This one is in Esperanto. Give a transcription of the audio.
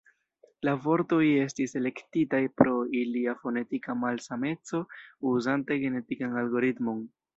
La vortoj estis elektitaj pro ilia fonetika malsameco uzante genetikan algoritmon.